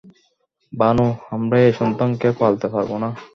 ভানু, আমরা এই সন্তানকে পালতে পারব না।